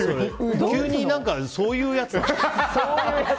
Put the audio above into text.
急にそういうやつ？